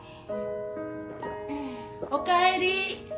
・おかえり。